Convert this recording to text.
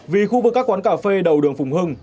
vì khu vực các quán cà phê đầu đường phùng hưng